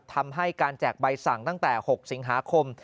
ทำให้การแจกใบสั่งตั้งแต่๖สิงหาคม